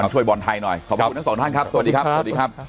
ช่วยบอลไทยหน่อยขอบคุณทั้งสองท่านครับสวัสดีครับสวัสดีครับ